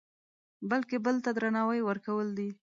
بلکې بل ته درناوی ورکول دي.